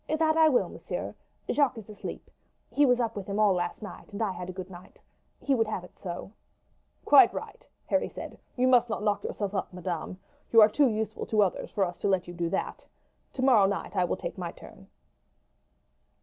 "That I will, monsieur. Jacques is asleep. He was up with him all last night, and I had a good night. He would have it so." "Quite right!" Harry said. "You must not knock yourself up, madame. You are too useful to others for us to let you do that. Tomorrow night I will take my turn."